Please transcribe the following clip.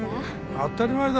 当たり前だ。